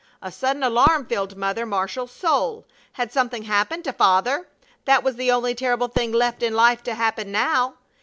A sudden alarm filled Mother Marshall's soul. Had something happened to Father? That was the only terrible thing left in life to happen now.